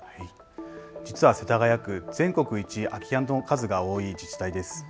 実は世田谷区、全国一空き家の数が多い自治体です。